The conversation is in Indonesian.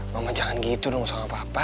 mama jangan gitu dong sama papa